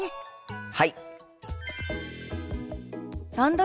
はい！